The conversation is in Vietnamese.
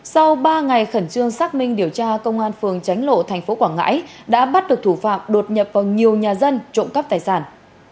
sau ba ngày khẩn trương xác minh điều tra công an phường tránh lộ thành phố quảng ngãi đã bắt được thủ phạm đột nhập vào nhiều nhà dân trộm cắp tài sản